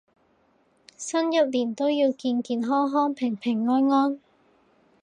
新一年都要健健康康平平安安